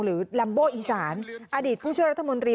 ลัมโบอีสานอดีตผู้ช่วยรัฐมนตรี